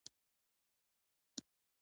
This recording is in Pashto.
د نړۍ هر هېواد خپله ځانګړې کیسه لري